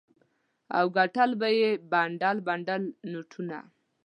او ګټل به یې بنډل بنډل نوټونه.